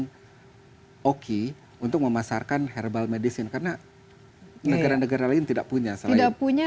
tapi kita juga tidak akan berhasil untuk memasarkan herbal medicine karena negara negara lain tidak punya selain di indonesia dan di asia